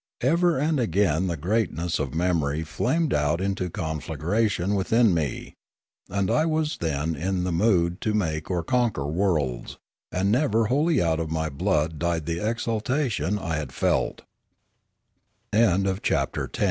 Ever and again the greatness of the memory flamed out into conflagration within me, and I was then in the mood to make or conquer worlds; and never wholly out of my blood died the exaltation I had fe